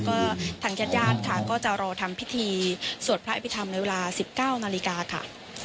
ก็ทางญาติญาติค่ะก็จะรอทำพิธีสวดพระอภิษฐรรมในเวลา๑๙นาฬิกาค่ะ